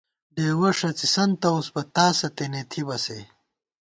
ڈېوَہ ݭڅِسن توُس بہ، تاسہ تېنے تھِبہ سے